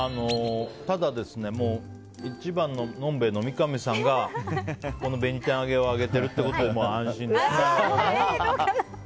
ただ、一番ののんべえの三上さんが紅天を上げてるということで安心です。